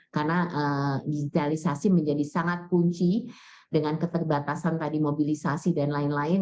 karena digitalisasi menjadi sangat kunci dengan keterbatasan tadi mobilisasi dan lain lain